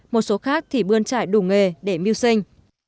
một số khác thì bươn trải đủ nghề để mưu sinh